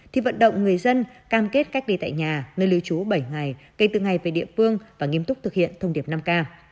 thì vận động người dân cam kết cách ly tại nhà nơi lưu trú bảy ngày kể từ ngày về địa phương và nghiêm túc thực hiện thông điệp năm k